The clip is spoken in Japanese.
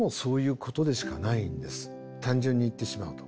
単純に言ってしまうと。